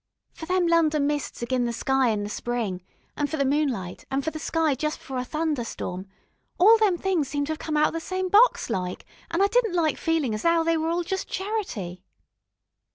For them London mists agin the sky in the Spring, an' for the moonlight, an' for the sky just before a thunderstorm all them things seemed to 'ave come out of the same box, like, an' I didn't like feelin' as 'ow they was all jest charity....